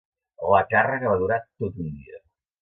La càrrega va durar tot un dia.